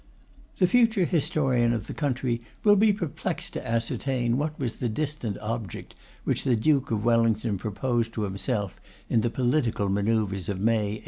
The future historian of the country will be perplexed to ascertain what was the distinct object which the Duke of Wellington proposed to himself in the political manoeuvres of May, 1832.